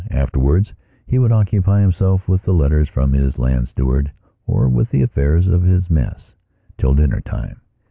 Afterwards he would occupy himself with the letters from his land steward or with the affairs of his mess, till dinner time.